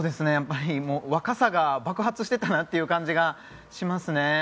若さが爆発していたなという感じがしますね。